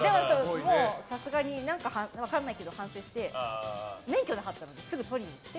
もう、さすがに何か分からないけど反省して免許をすぐ取りに行って。